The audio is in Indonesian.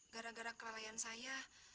gara gara kelelayan saya